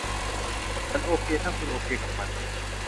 ฉันโอเคถ้าคุณโอเคกับมัน